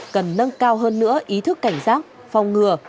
cần nâng cao hơn nữa ý thức cảnh giác phòng ngừa